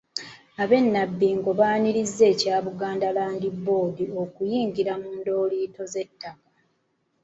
Ab’e Nabbingo baanirizza ekya Buganda Land Board okuyingira mu ndooliito z'ettaka.